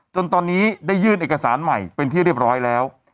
จนตอนนี้ได้ยื่นเอกสารใหม่เป็นที่เรียบร้อยแล้ว